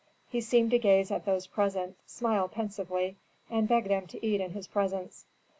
He seemed to gaze at those present, smile pensively, and beg them to eat in his presence.